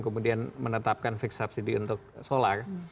kemudian menetapkan fixed subsidi untuk solar